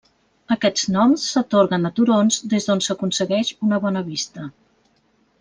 Aquests noms s'atorguen a turons des d'on s’aconsegueix una bona vista.